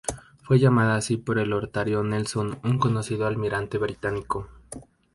Fue llamada así por Horatio Nelson un conocido almirante británico.